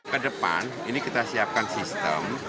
kedepan ini kita siapkan sistem